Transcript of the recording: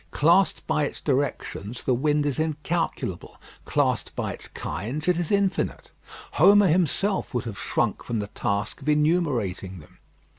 Classed by its directions, the wind is incalculable; classed by its kinds, it is infinite. Homer himself would have shrunk from the task of enumerating them.